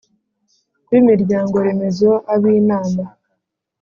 b’imiryango remezo, ab’inama,